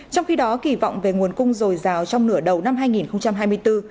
trong khi đó kỳ vọng về nguồn cung dồi dào trong nửa đầu năm hai nghìn hai mươi bốn